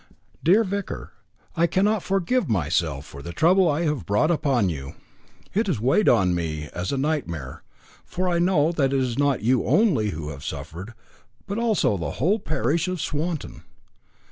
"My dear vicar, I cannot forgive myself for the trouble I have brought upon you. It has weighed on me as a nightmare, for I know that it is not you only who have suffered, but also the whole parish of Swanton.